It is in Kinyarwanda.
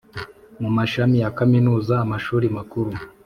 mu mashami ya Kaminuza amashuri makuru